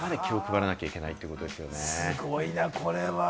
すごいな、これは。